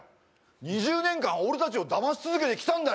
２０年間、俺たちをだまし続けてきたんだよ！